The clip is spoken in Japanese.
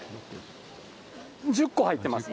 １０個入ってます。